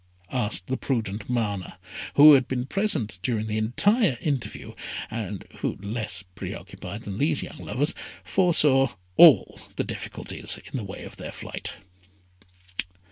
asked the prudent Mana, who had been present during the entire interview, and who, less pre occupied than these young lovers, foresaw all the difficulties in the way of their flight.